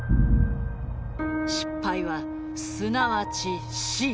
失敗はすなわち死。